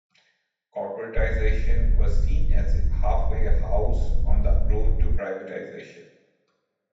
Corporatization was seen as a half-way house on the road to privatization.